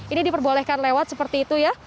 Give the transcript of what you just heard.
ini diperbolehkan lewat seperti itu ya